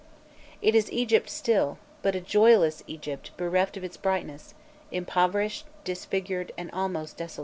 It is Egypt still, but a joyless Egypt bereft of its brightness: impoverished, disfigured, and almost desolate.